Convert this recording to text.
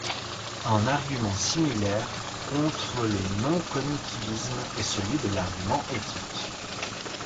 Un argument similaire contre le non-cognitivisme est celui de l'argument éthique.